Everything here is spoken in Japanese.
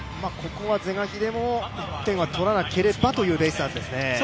ここは是が非でも１点は取らなければというベイスターズですね。